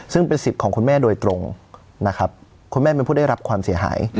ซึ่งเป็นสิทธิ์ของคุณแม่โดยตรงนะครับคุณแม่เป็นผู้ได้รับความเสียหาย